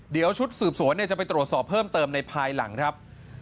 เดี๋ยวชุดสืบสวนจะไปตรวจสอบเพิ่มเติมในภายหลังครับ